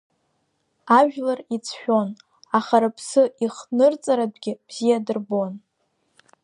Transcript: Ажәлар ицәшәон, аха рыԥсы ихҭнырҵаратәгьы бзиа дырбон.